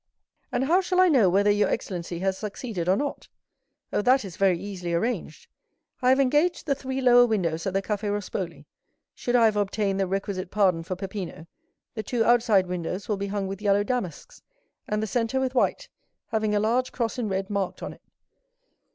"And how shall I know whether your excellency has succeeded or not." "Oh, that is very easily arranged. I have engaged the three lower windows at the Café Rospoli; should I have obtained the requisite pardon for Peppino, the two outside windows will be hung with yellow damasks, and the centre with white, having a large cross in red marked on it."